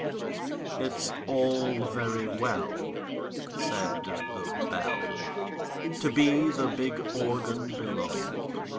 It's all very well, Said the Bell, To be the big Organ below!